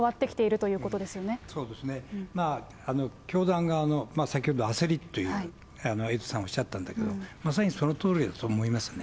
そうですね、教団側の先ほど、焦りという、エイトさんおっしゃったんだけど、まさにそのとおりだと思いますね。